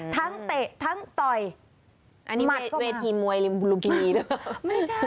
ทั้งเตะทั้งต่อยอันนี้เวทีมวยหรือบุรุฑีหรือ